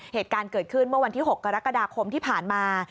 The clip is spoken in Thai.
เหตุการณ์เกิดขึ้นเมื่อวันที่๖กรกฎาคมที่ผ่านมา